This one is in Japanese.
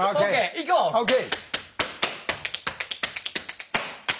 いこう。ＯＫ！